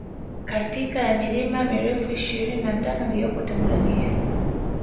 katika ya milima mirefu ishirini na tano iliyopo Tanzania